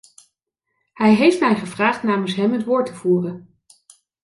Hij heeft mij gevraagd namens hem het woord te voeren.